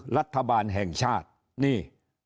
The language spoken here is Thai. รัฐบาลแห่งชาตินี่